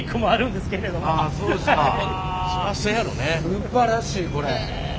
すばらしいこれ。